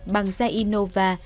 bằng xe innova